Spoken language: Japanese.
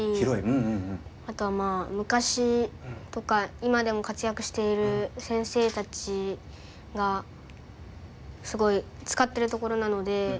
あとはまあ昔とか今でも活躍している先生たちがすごい使ってるところなので。